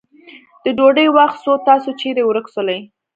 د ډوډی وخت سو تاسو چیري ورک سولې.